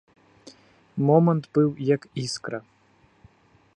Момант быў як іскра.